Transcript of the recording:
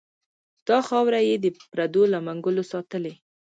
دا خاوره یې د پردو له منګلو ساتلې.